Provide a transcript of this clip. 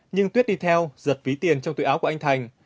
nhưng tuyết đi theo giật ví tiền trong túi áo của anh thành